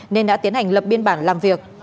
nên đã tiến hành lập biên bản làm việc